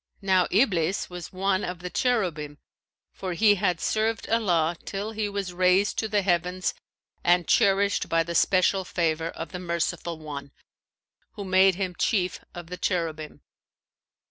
Now Iblis was one of the Cherubim, for he had served Allah till he was raised to the heavens and cherished[FN#527] by the especial favour of the Merciful One, who made him chief of the Cherubim.'"